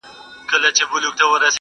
بیا د ژړو ګلو وار سو د زمان استازی راغی٫